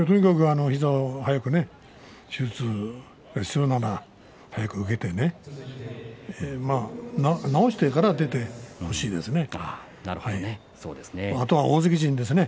とにかく膝を早く手術するなら早く治してから出てほしいですね。